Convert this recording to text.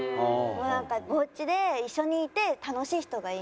なんかおうちで一緒にいて楽しい人がいい。